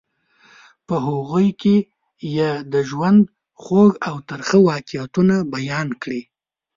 په هغوی کې یې د ژوند خوږ او ترخه واقعیتونه بیان کړي.